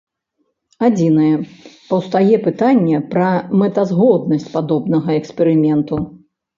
Адзінае, паўстае пытанне пра мэтазгоднасць падобнага эксперыменту.